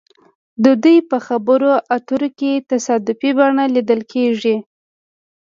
د دوی په خبرو اترو کې تصادفي بڼه لیدل کیږي